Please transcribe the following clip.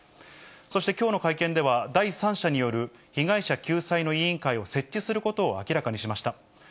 そしてきょうの会見では、第三者による被害者救済の委員会を設置することを明らかにしました。